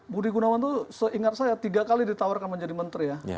budi gunawan itu seingat saya tiga kali ditawarkan menjadi menteri ya